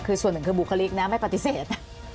คือส่วนหนึ่งคือบุคลิกนะไม่ปฏิเสธนะ